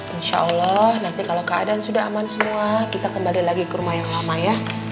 insya allah nanti kalau keadaan sudah aman semua kita kembali lagi ke rumah yang lama ya